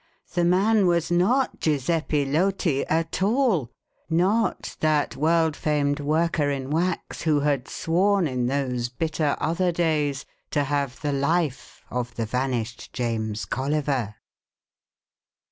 The man was not Giuseppe Loti at all! not that world famed worker in wax who had sworn in those bitter other days to have the life of the vanished James Colliver.